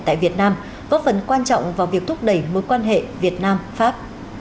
tại việt nam góp phần quan trọng vào việc thúc đẩy mối quan hệ việt nam pháp